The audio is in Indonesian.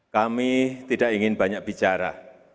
kami tidak ingin banyak bicara